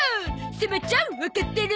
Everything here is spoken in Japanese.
せまちゃんわかってる！